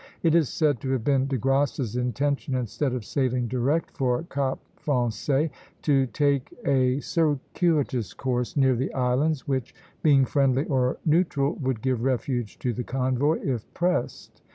It is said to have been De Grasse's intention, instead of sailing direct for Cap Français, to take a circuitous course near the islands, which, being friendly or neutral, would give refuge to the convoy if pressed.